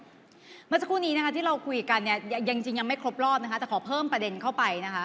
เมื่อเจ้าคู่นี้ที่เราคุยกันยังไม่ครบรอบแต่ขอเพิ่มประเด็นเข้าไป